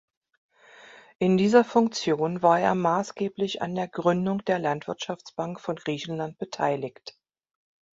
In dieser Funktion war er maßgeblich an der Gründung der Landwirtschaftsbank von Griechenland beteiligt.